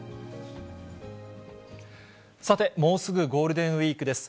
さて、もうすぐゴールデンウィークです。